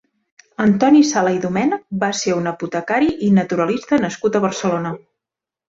Antoni Sala i Domènech va ser un apotecari i naturalista nascut a Barcelona.